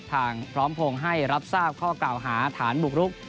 พร้อมพงศ์ให้รับทราบข้อกล่าวหาฐานบุกรุก